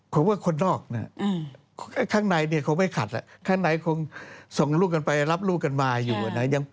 คือว่าคนนอกข้างในคงไม่ขัดส่งลูกกันไปรับลูกกันมาอยู่